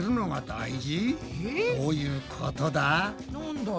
どういうことだ？